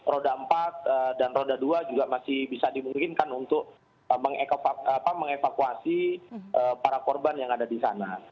roda empat dan roda dua juga masih bisa dimungkinkan untuk mengevakuasi para korban yang ada di sana